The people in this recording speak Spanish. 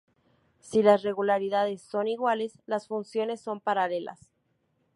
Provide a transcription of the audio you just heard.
Si las regularidades son iguales, las funciones son paralelas.